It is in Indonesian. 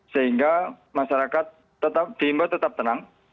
sehingga masyarakat diimba tetap tenang